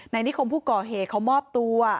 นิคมผู้ก่อเหตุเขามอบตัว